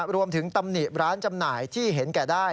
ตำหนิร้านจำหน่ายที่เห็นแก่ได้